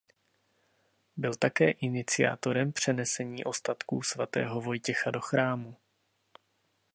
Byl také iniciátorem přenesení ostatků svatého Vojtěcha do chrámu.